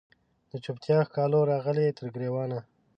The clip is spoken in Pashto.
د چوپتیا ښکالو راغلې تر ګریوانه